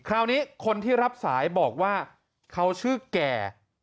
คราวนี้คนที่รับสายบอกว่าเขาชื่อแก่